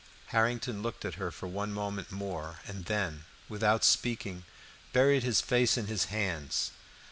Harrington looked at her for one moment more, and then, without speaking, buried his face in his hands.